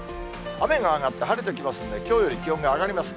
雨が上がって晴れてきますんで、きょうより気温が上がります。